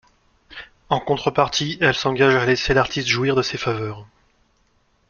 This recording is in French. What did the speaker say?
En contrepartie, elle s'engage à laisser l'artiste jouir de ses faveurs.